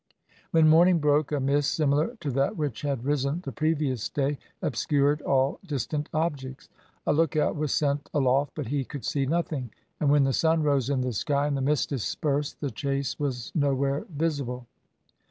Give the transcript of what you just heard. When morning broke, a mist, similar to that which had risen the previous day, obscured all distant objects. A lookout was sent aloft, but he could see nothing; and when the sun rose in the sky, and the mist dispersed, the chase was nowhere visible.